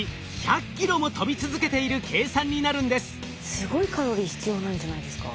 すごいカロリー必要なんじゃないですか？